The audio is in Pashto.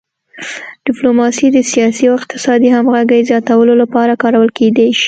ډیپلوماسي د سیاسي او اقتصادي همغږۍ زیاتولو لپاره کارول کیدی شي